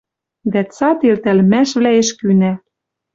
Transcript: Дӓ цат элтӓлӹмӓшвлӓэш кӱна.